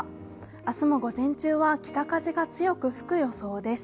明日も午前中は北風が強く吹く予想です。